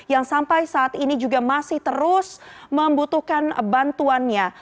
yang sampai saat ini juga masih terus membutuhkan bantuannya